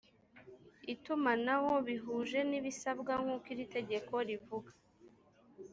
itumanaho bihuje n ibisabwa nk uko iri tegeko rivuga